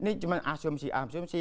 ini cuma asumsi asumsi